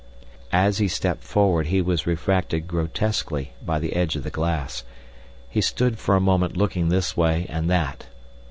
As he stepped forward he was refracted grotesquely by the edge of the glass. He stood for a moment looking this way and that.